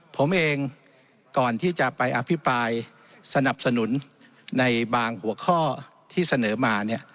ผมเองก่อนที่จะไปอภิปรายสนับสนุนในบางหัวข้อที่เสนอมาเนี่ย